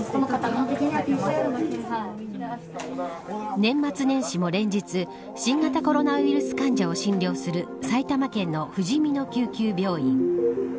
年末年始も連日新型コロナウイルス患者を診療する埼玉県のふじみの救急病院。